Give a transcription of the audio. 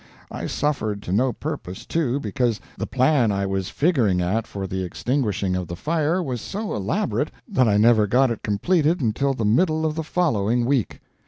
I suffered to no purpose, too, because the plan I was figuring at for the extinguishing of the fire was so elaborate that I never got it completed until the middle of the following week.